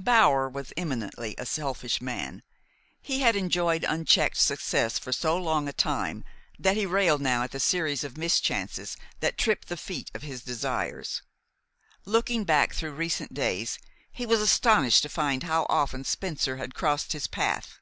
Bower was eminently a selfish man. He had enjoyed unchecked success for so long a time that he railed now at the series of mischances that tripped the feet of his desires. Looking back through recent days, he was astonished to find how often Spencer had crossed his path.